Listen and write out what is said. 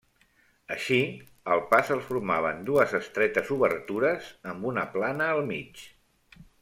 Així, el pas el formaven dues estretes obertures amb una plana al mig.